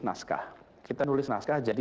naskah kita nulis naskah jadi